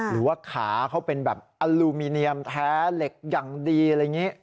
หรือว่าขาเขาเป็นแบบอลูมิเนียมแท้เหล็กอย่างดีอะไรอย่างนี้